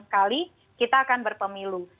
sekali kita akan berpemilu